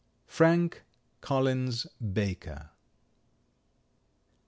Frank Collins Baker.